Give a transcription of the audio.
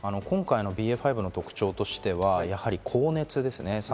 今回のＢＡ．５の特徴としては高熱ですね。